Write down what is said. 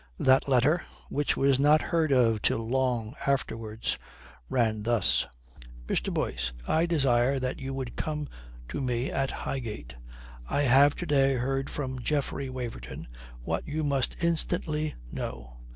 That letter, which was not heard of till long afterwards, ran thus: "Mr. Boyce, I desire that you would come to me at Highgate. I have to day heard from Geoffrey Waverton what you must instantly know.